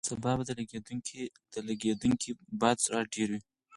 سبا به د لګېدونکي باد سرعت ډېر وي.